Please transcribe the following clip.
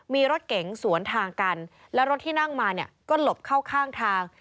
มีรถเก๋งสวนทางกันและรถที่นั่งมาเนี่ยก็หลบเข้าข้างทาง